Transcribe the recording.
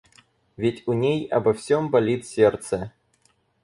Ведь у ней обо всем болит сердце.